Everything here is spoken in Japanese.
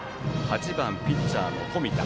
８番ピッチャー、冨田。